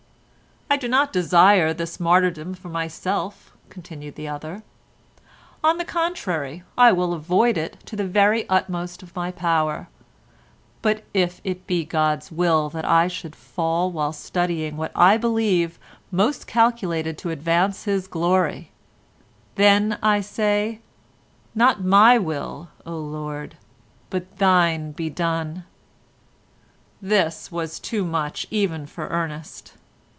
"I do not desire this martyrdom for myself," continued the other, "on the contrary I will avoid it to the very utmost of my power, but if it be God's will that I should fall while studying what I believe most calculated to advance his glory—then, I say, not my will, oh Lord, but thine be done." This was too much even for Ernest.